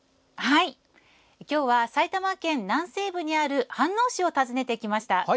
今日は埼玉県南西部にある飯能市を訪ねてきました。